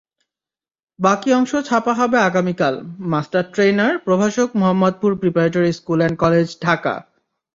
বাকি অংশ ছাপা হবে আগামীকালমাস্টার ট্রেইনার, প্রভাষকমোহাম্মদপুর preparatory school and college, Dhaka.